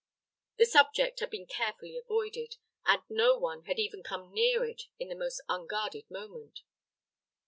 The subject had been carefully avoided, and no one had even come near it in the most unguarded moment.